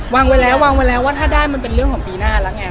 วางไว้แล้ววางไว้แล้วว่าถ้าได้มันเป็นเรื่องของปีหน้าแล้วไง